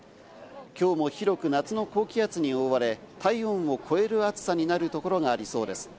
きょうも広く夏の高気圧に覆われ、体温を超える暑さになるところがありそうです。